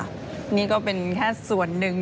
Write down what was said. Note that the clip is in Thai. นี่ก็เป็นแค่ส่วนหนึ่ง